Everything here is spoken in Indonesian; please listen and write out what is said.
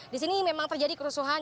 di sini memang terjadi kerusuhan